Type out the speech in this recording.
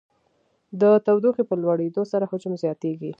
د تودوخې په لوړېدو سره حجم زیاتیږي.